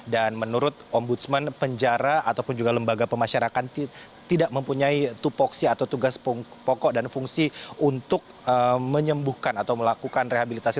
dan menurut ombudsman penjara ataupun juga lembaga pemasyarakan tidak mempunyai tupoksi atau tugas pokok dan fungsi untuk menyembuhkan atau melakukan rehabilitasi